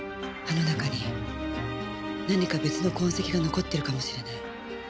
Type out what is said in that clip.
歯の中に何か別の痕跡が残ってるかもしれない。